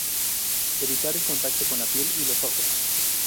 Evitar el contacto con la piel y los ojos.